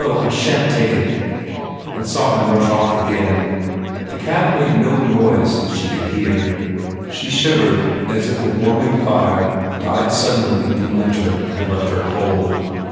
I shan t take it!" and sa\% ,._. n . The cab made no noise that she could hear. She shivered .is if a warming fire died suddenly in winter and left her cold.